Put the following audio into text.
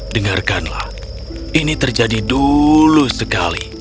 dengarkanlah ini terjadi dulu sekali